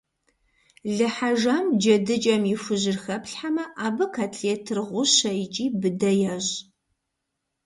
Лы хьэжам джэдыкӀэм и хужьыр хэплъхьэмэ, абы котлетыр гъущэ икӀи быдэ ещӀ.